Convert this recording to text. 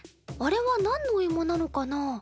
あれは何のお芋なのかな？